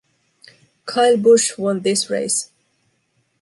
Kyle Busch won this race.